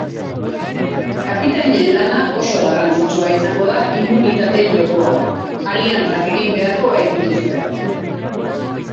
Kapitainen lana oso garrantzitsua izango da immunitate jokoan, aliantzak egin beharko baitituzte.